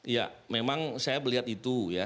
ya memang saya melihat itu ya